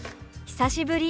「久しぶり」。